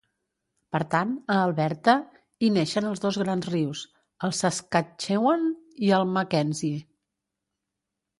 Per tant, a Alberta hi neixen els dos grans rius, el Saskatchewan i el Mackenzie.